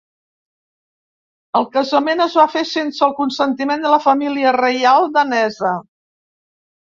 El casament es va fer sense el consentiment de la família reial danesa.